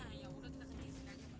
nah yaudah kita ke sini aja pak